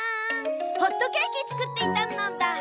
ホットケーキつくっていたのだ。